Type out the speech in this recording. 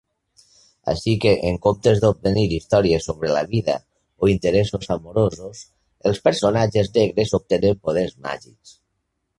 Així que, en comptes d'obtenir històries sobre la vida o interessos amorosos, els personatges negres obtenen poders màgics.